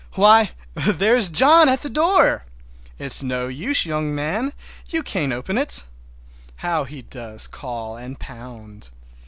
Why, there's John at the door! It is no use, young man, you can't open it! How he does call and pound!